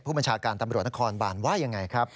ผู้บัญชาการตำรวจนครบานว่ายังไงครับ